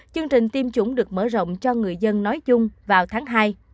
chương trình tiêm chủng được mở rộng cho người dân nói chung vào tháng hai